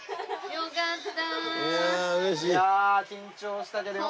よかった！